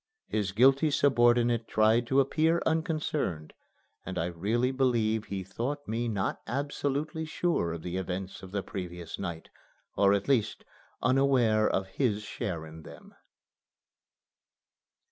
His guilty subordinate tried to appear unconcerned, and I really believe he thought me not absolutely sure of the events of the previous night, or at least unaware of his share in them.